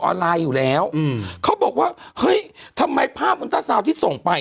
ไลน์อยู่แล้วอืมเขาบอกว่าเฮ้ยทำไมภาพอินเตอร์ซาวน์ที่ส่งไป